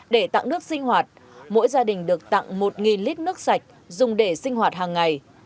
để tặng nước sinh hoạt mỗi gia đình được tặng một lít nước sạch dùng để sinh hoạt hàng ngày